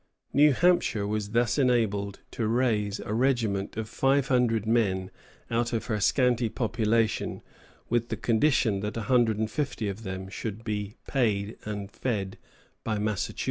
New Hampshire was thus enabled to raise a regiment of five hundred men out of her scanty population, with the condition that a hundred and fifty of them should be paid and fed by Massachusetts.